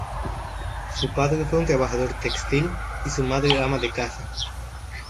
Su padre fue un trabajador textil y su madre ama de casa.